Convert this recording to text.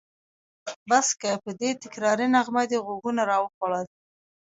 بس که! په دې تکراري نغمه دې غوږونه راوخوړل.